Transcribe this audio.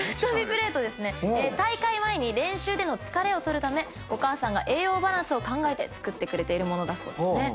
大会前に練習での疲れを取るためお母さんが栄養バランスを考えて作ってくれている物だそうですね。